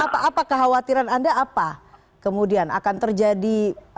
apa kekhawatiran anda apa kemudian akan terjadi